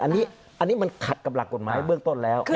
อันนี้มันขัดกับหลักกฎหมายเบื้องต้นแล้ว